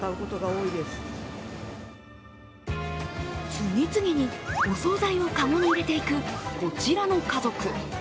次々にお総菜を籠に入れていくこちらの家族。